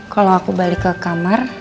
kalau aku balik ke kamar